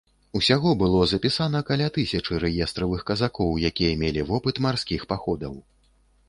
Усяго было запісана каля тысячы рэестравых казакоў, якія мелі вопыт марскіх паходаў.